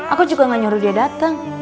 aku juga gak nyuruh dia datang